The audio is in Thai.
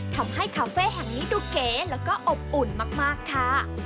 ทำให้คาเฟ่แห่งนี้ดูเก๋แล้วก็อบอุ่นมากค่ะ